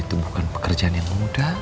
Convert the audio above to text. itu bukan pekerjaan yang mudah